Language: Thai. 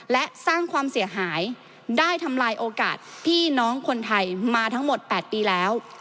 และสร้างความเสียหายได้ทำลายโอกาสพี่น้องคนไทยมาทั้งหมด๘ปีแล้ว